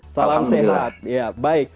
salam sehat baik